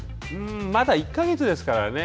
まだ１か月ですからね。